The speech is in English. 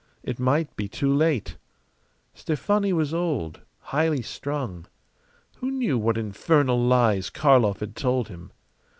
It might be too late. Stefani was old, highly strung. Who knew what infernal lies Karlov had told him?